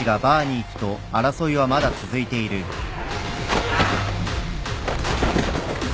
うわっ！